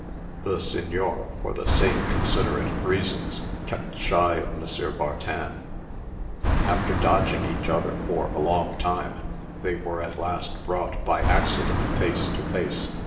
The Signer, for the same considerate reasons, kept shy of M. Bartin. After dodging each other for a long time, they were at last brought, by accident, face to face.